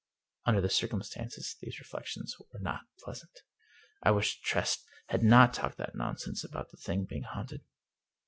Under the circumstances, these reflections were not pleasant. I wished Tress had not talked that non sense about the thing being haunted.